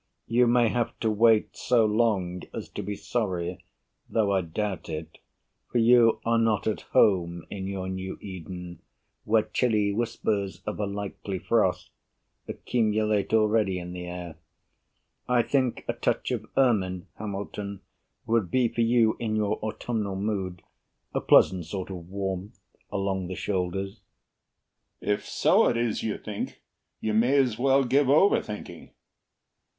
You may have to wait So long as to be sorry; though I doubt it, For you are not at home in your new Eden Where chilly whispers of a likely frost Accumulate already in the air. I think a touch of ermine, Hamilton, Would be for you in your autumnal mood A pleasant sort of warmth along the shoulders. HAMILTON If so it is you think, you may as well Give over thinking.